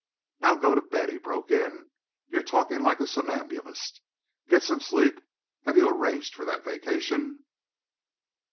"Now go to bed," he broke in; "you're talking like a somnambulist. Get some sleep. Have you arranged for that vacation?"